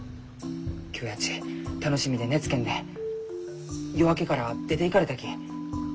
今日やち楽しみで寝つけんで夜明けから出ていかれたき。